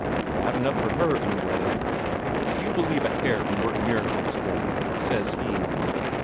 'Bad enough for her, anyway.' 'Do you believe a hare can work miracles, then?' says he.